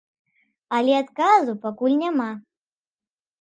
Але адказу пакуль няма.